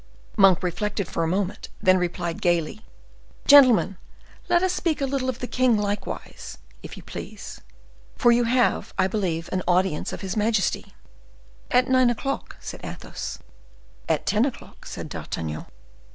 Monk reflected for a moment, and then replied gayly: "Gentlemen, let us speak a little of the king likewise, if you please; for you have, I believe, an audience of his majesty." "At nine o'clock," said Athos. "At ten o'clock," said D'Artagnan.